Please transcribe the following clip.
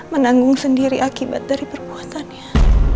menanggung sendiri akibat dari perbuatannya